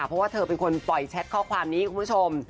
เพราะว่าเธอเป็นคนปล่อยแชทข้อความนี้คุณผู้ชม